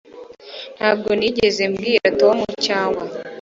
Ntabwo nigeze mbwira Tom cyangwa